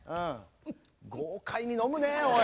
豪快に飲むねおい。